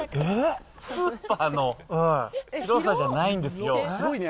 スーパーの広さじゃないんですよ。